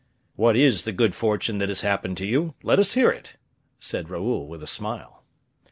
"What is the good fortune that has happened to you? Let us hear it," said Raoul, with a smile.